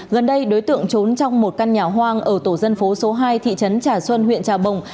gần đây đối tượng trốn trong một căn nhà hoang ở tổ dân phố số hai thị trấn trà xuân huyện trà bồng